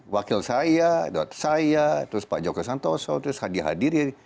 wakil saya dokter saya terus pak joko santoso terus hadir hadir